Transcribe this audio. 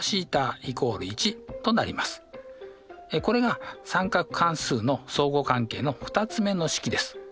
これが三角関数の相互関係の２つ目の式です。